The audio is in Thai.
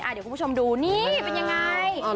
อ้าวเดี๋ยวกูดูนี่เป็นยังไง